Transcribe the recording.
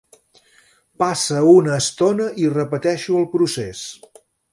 Passa una estona i repeteixo el procés.